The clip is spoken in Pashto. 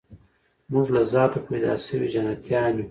موږ له ذاته پیدا سوي جنتیان یو